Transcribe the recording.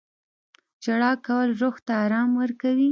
• ژړا کول روح ته ارام ورکوي.